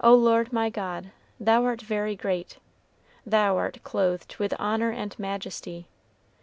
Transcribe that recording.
O Lord my God, thou art very great; thou art clothed with honor and majesty.